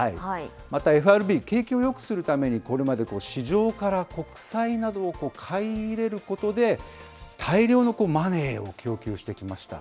また、ＦＲＢ、景気をよくするためにこれまで市場から国債などを買い入れることで、大量のマネーを供給してきました。